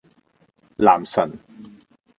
男神